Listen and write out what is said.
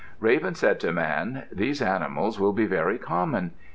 Raven said to Man, "These animals will be very common.